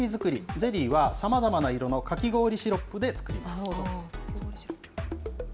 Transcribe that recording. ゼリーはさまざまな色のかき氷シロップで作ります。